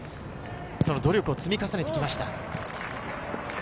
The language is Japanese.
その努力を積み重ねてきました。